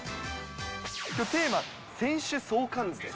きょうテーマ、選手相関図です。